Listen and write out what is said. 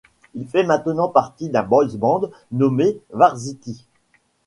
Il fait maintenant partie d'un boys band nommé Varsity.